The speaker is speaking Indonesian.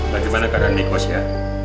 bagaimana keadaan miko sya